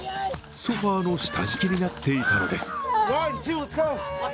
ソファーの下敷きになっていたのです。